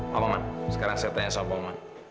pak maman sekarang saya tanya soal pak maman